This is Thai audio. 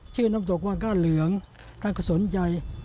น้ำตกว่างก้าเหลืองท่านก็สนใจ